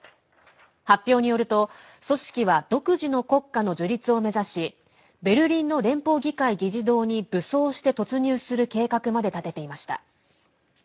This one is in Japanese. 発表によると組織は独自の国家の樹立を目指しベルリンの連邦議会議事堂に武装して突入する計画まで立てていました。